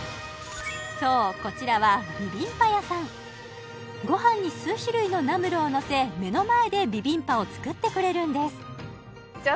そうこちらはビビンパ屋さんご飯に数種類のナムルをのせ目の前でビビンパを作ってくれるんですじゃ